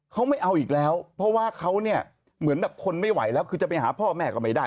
เขาไม่เอาอีกแล้วเพราะว่าเขาเนี่ยเหมือนแบบทนไม่ไหวแล้วคือจะไปหาพ่อแม่ก็ไม่ได้